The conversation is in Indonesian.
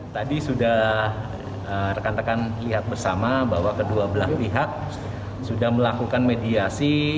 tadi sudah rekan rekan lihat bersama bahwa kedua belah pihak sudah melakukan mediasi